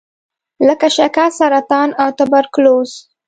لکه شکر، سرطان او توبرکلوز.